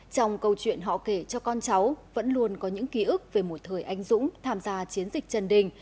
trong câu chuyện họ kể cho con cháu vẫn luôn có những ký ức về một thời anh dũng tham gia chiến dịch trần đình